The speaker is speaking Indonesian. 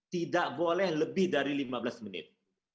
tidak boleh lebih dari lima belas menit